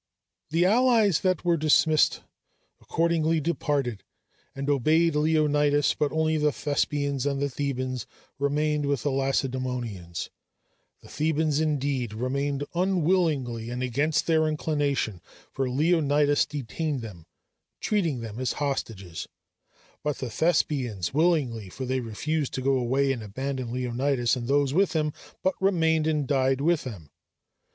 The allies that were dismissed, accordingly departed, and obeyed Leonidas, but only the Thespians and the Thebans remained with the Lacedæmonians; the Thebans, indeed, remained unwillingly and against their inclination, for Leonidas detained them, treating them as hostages; but the Thespians willingly, for they refused to go away and abandon Leonidas and those with him, but remained and died with them.